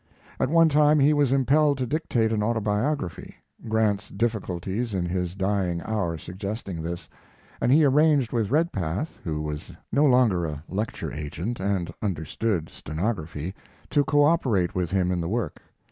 At one time he was impelled to dictate an autobiography Grant's difficulties in his dying hour suggesting this and he arranged with Redpath, who was no longer a lecture agent and understood stenography, to co operate with him in the work.